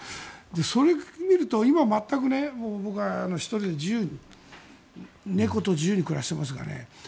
それを見ると今は全く僕は１人で自由に猫と自由に暮らしてますがね。